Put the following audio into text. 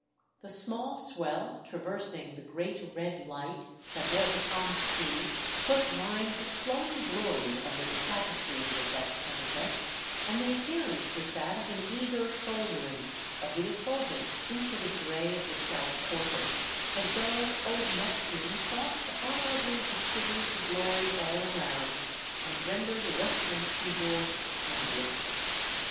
The small swell traversing the great red light that was upon the sea put lines of flow ing glory under the tapestries of that sunset, and the appearance was that of an eager shouldering of the effulgence into the grey of the south quarter, as though old Neptune sought to honourably distribute the glory all around, and render the western seaboard ambient.